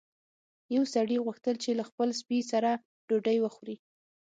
یو سړي غوښتل چې له خپل سپي سره ډوډۍ وخوري.